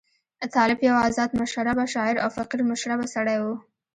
طالب یو آزاد مشربه شاعر او فقیر مشربه سړی وو.